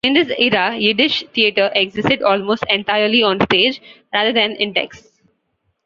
In this era, Yiddish theatre existed almost entirely on stage, rather than in texts.